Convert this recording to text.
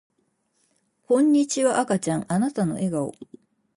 こんにちは赤ちゃんあなたの笑顔